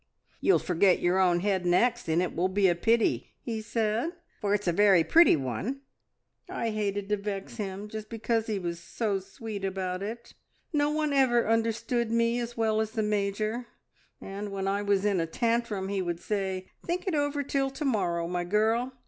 `You'll forget your own head next, and it will be a pity,' he said, `for it's a very pretty one.' "I hated to vex him just because he was so sweet about it. No one ever understood me as well as the Major, and when I was in a tantrum he would say, `Think it over till to morrow, my girl.